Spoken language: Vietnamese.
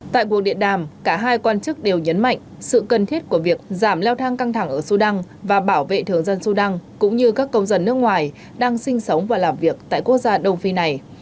tại cuộc điện đàm cả hai quan chức đều nhấn mạnh sự cần thiết của việc giảm leo thang căng thẳng ở sudan và bảo vệ thường dân sudan cũng như các công dân nước ngoài đang sinh sống và làm việc tại quốc gia đông phi này